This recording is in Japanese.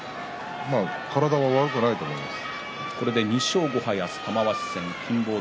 体は悪くないと思います。